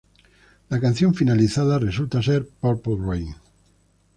La canción finalizada resulta ser "Purple Rain".